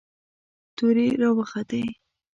تورې را وختې.